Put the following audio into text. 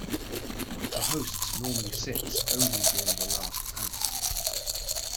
The hosts normally sits only during the last pankti.